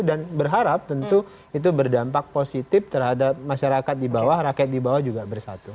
dan berharap tentu itu berdampak positif terhadap masyarakat di bawah rakyat di bawah juga bersatu